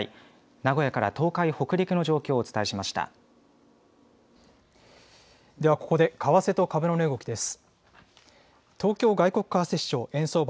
名古屋から東海、北陸の状況をおではここで為替と株の値動きです。